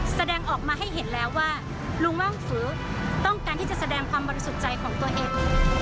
แสดงออกมาให้เห็นแล้วว่าลุงว่างฝือต้องการที่จะแสดงความบริสุทธิ์ใจของตัวเอง